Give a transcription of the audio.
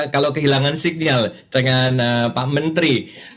kalau kehilangan signal dengan pak menteri